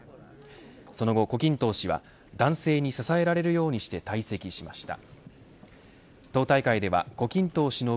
その後、胡錦濤氏は男性に支えられるようにして退席しました。